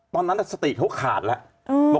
ตอนนั้นสติเขาขาดแล้ว